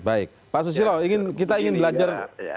baik pak susilo kita ingin belajar